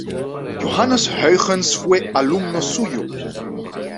Johannes Huygens fue alumno suyo.